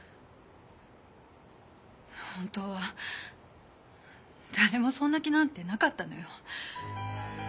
本当は誰もそんな気なんてなかったのよ。